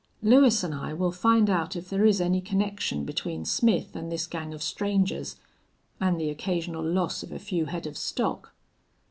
"Lewis an' I will find out if there is any connection between Smith an' this gang of strangers an' the occasional loss of a few head of stock."